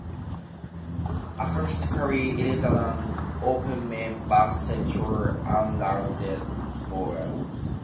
Acoustically it is an "open-mid back-central unrounded vowel".